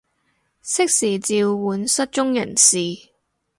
適時召喚失蹤人士